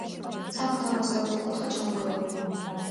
სამხრეთ-აღმოსავლეთი კუთხე ჩამონგრეულია.